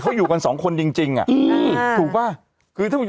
สู่อีกครั้งท่องโกรธมากเลยน่ะ